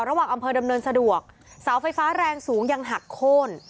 อำเภอดำเนินสะดวกเสาไฟฟ้าแรงสูงยังหักโค้น